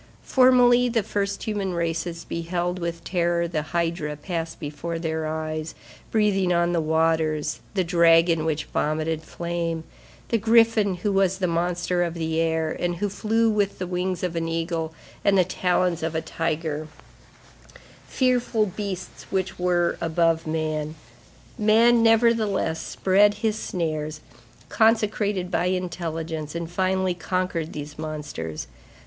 Formerly, the first human races beheld with terror the hydra pass before their eyes, breathing on the waters, the dragon which vomited flame, the griffin who was the monster of the air, and who flew with the wings of an eagle and the talons of a tiger; fearful beasts which were above man. Man, nevertheless, spread his snares, consecrated by intelligence, and finally conquered these monsters.